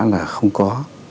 là không có